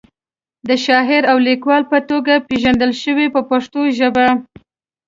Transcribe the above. د شاعر او لیکوال په توګه وپیژندل شو په پښتو ژبه.